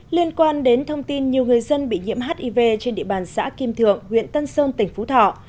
liên quan đến thông tin nhiều người dân bị nhiễm hiv trên địa bàn xã kim thượng huyện tân sơn tỉnh phú thọ